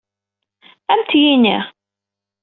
Ad am-t-yini.